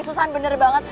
susahan bener banget